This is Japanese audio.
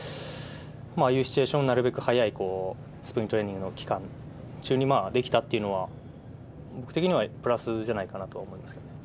ああいうシチュエーションをなるべく早いスプリングトレーニングの期間中にできたっていうのは、僕的にはプラスじゃないかなと思いますけどね。